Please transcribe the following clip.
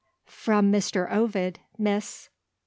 "From Mr. Ovid, Miss."